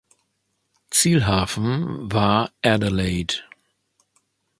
Zielhafen war Adelaide.